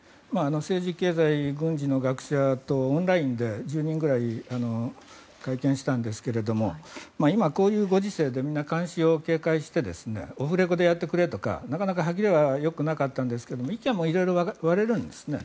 政治、経済、軍事の学者とオンラインで１０人くらい会見したんですけれども今、こういうご時世でみんな監視を警戒してオフレコでやってくれとかなかなか歯切れはよくなかったんですが意見も色々割れるんですね。